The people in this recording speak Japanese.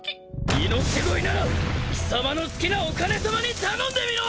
命乞いなら貴様の好きなお金さまに頼んでみろ！